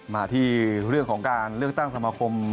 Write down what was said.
มาที่เรื่องของการเลือกตั้งสมาคม